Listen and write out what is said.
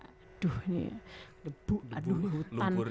aduh nih debu aduh hutan